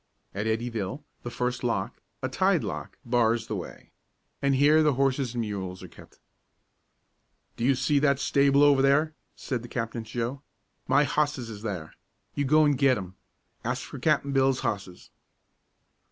At Eddyville the first lock, a tide lock, bars the way, and here the horses and mules are kept. "Do you see that stable over there?" said the captain to Joe. "My hosses is there. You go an' git 'em. Ask for Cap'n Bill's hosses."